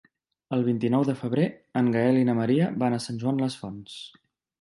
El vint-i-nou de febrer en Gaël i na Maria van a Sant Joan les Fonts.